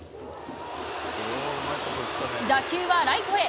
打球はライトへ。